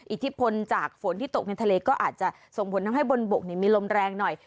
อิทธิพลจากฝนที่ตกในทะเลก็อาจจะส่งผลทำให้บนบกมีลมแรงหน่อย